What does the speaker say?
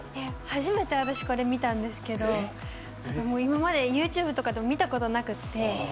初めてこれ見たんですけど今までユーチューブとかでも見たことなくて。